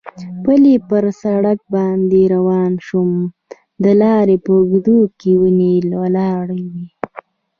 پلی پر سړک باندې روان شوم، د لارې په اوږدو کې ونې ولاړې وې.